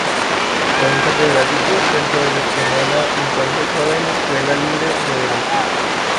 Fue un catedrático dentro del esquema de la entonces joven Escuela Libre de Derecho.